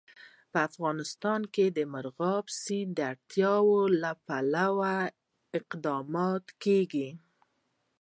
په افغانستان کې د مورغاب سیند د اړتیاوو لپاره اقدامات کېږي.